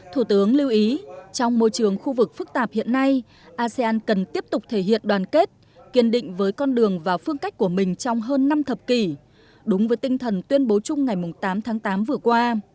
thủ tướng lưu ý trong môi trường khu vực phức tạp hiện nay asean cần tiếp tục thể hiện đoàn kết kiên định với con đường và phương cách của mình trong hơn năm thập kỷ đúng với tinh thần tuyên bố chung ngày tám tháng tám vừa qua